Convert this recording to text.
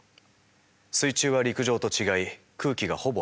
水中は陸上と違い空気がほぼありません。